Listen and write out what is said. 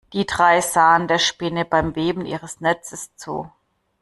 Die drei sahen der Spinne beim Weben ihres Netzes zu.